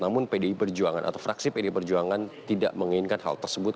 namun pdi perjuangan atau fraksi pd perjuangan tidak menginginkan hal tersebut